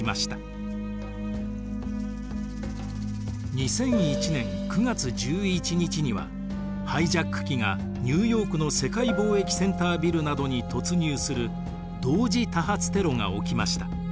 ２００１年９月１１日にはハイジャック機がニューヨークの世界貿易センタービルなどに突入する同時多発テロが起きました。